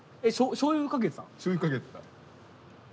しょうゆかけてた。